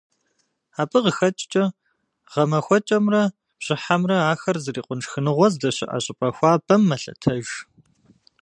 Абы къыхэкӏкӏэ гъэмахуэкӏэмрэ бжьыхьэмрэ ахэр зрикъун шхыныгъуэ здэщыӏэ щӏыпӏэ хуабэм мэлъэтэж.